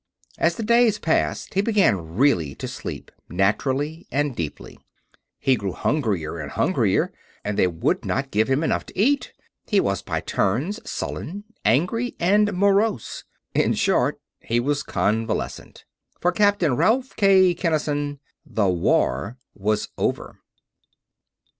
As the days passed, he began really to sleep, naturally and deeply. He grew hungrier and hungrier, and they would not give him enough to eat. He was by turns sullen, angry, and morose. In short, he was convalescent. For Captain Ralph K. Kinnison, THE WAR was over.